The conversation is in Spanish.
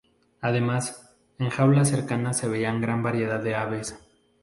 Además, en jaulas cercanas se veían gran variedad de aves.